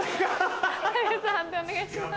判定お願いします。